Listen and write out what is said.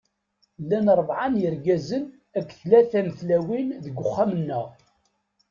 Llan ṛebɛa n yirgazen akked tlata n tlawin deg uxxam-nneɣ.